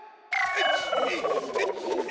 １２！